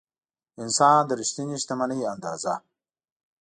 د انسان د رښتینې شتمنۍ اندازه.